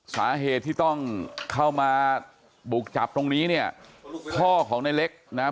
สาเหตุที่ต้องเข้ามาบุกจับตรงนี้เนี่ยพ่อของในเล็กนะฮะ